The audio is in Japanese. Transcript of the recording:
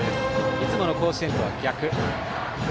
いつもの甲子園とは逆。